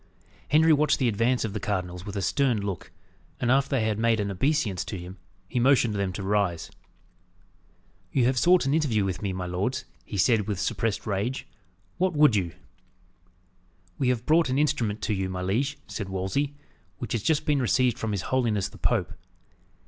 Henry watched the advance of the cardinals with a stern look, and after they had made an obeisance to him, he motioned them to rise. "You have sought an interview with me, my lords," he said, with suppressed rage. "What would you?" "We have brought an instrument to you, my liege," said Wolsey, "which has just been received from his holiness the Pope."